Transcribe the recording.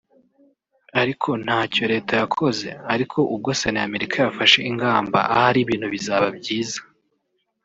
ariko ntacyo Leta yakoze ariko ubwo Sena y’Amerika yafashe ingamba ahari ibintu bizaba byiza”